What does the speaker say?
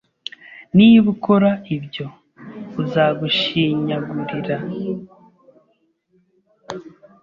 Niba ukora ibyo, uzagushinyagurira.